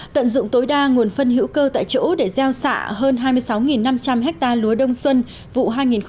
tận dụng tối đa nguồn phân hữu cơ tại chỗ để gieo xạ hơn hai mươi sáu năm trăm linh ha lúa đông xuân vụ hai nghìn một mươi sáu hai nghìn một mươi bảy